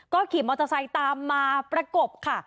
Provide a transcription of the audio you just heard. ขี่มอเตอร์ไซค์ตามมาประกบค่ะ